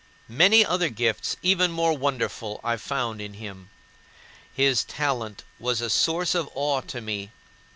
Many other gifts even more wonderful I found in him. His talent was a source of awe to me.